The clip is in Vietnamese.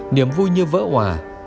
niềm vui như vỡ hòa